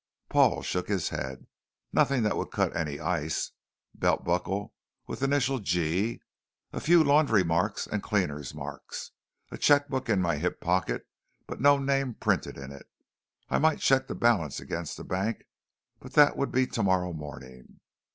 Paul shook his head. "Nothing that would cut any ice. Belt buckle with initial G. A few laundry marks and cleaners' marks. A checkbook in my hip pocket but no name printed in it. I might check the balance against the bank, but that would be tomorrow morning.